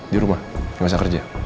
di rumah nggak usah kerja